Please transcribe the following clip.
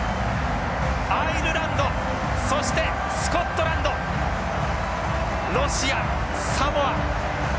アイルランドそしてスコットランドロシアサモア。